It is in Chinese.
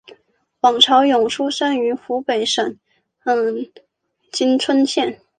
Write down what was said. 汪潮涌出生于湖北省蕲春县。